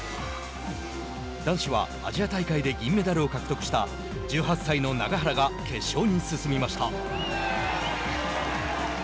男子はアジア大会で銀メダルを獲得した１８歳の永原が決勝に進みました。